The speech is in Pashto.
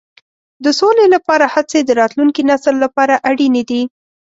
د سولې لپاره هڅې د راتلونکي نسل لپاره اړینې دي.